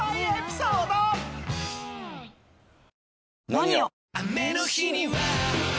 「ＮＯＮＩＯ」！